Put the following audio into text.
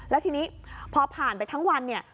แล้วทีนี้พอผ่านไปทั้งวันเนี่ย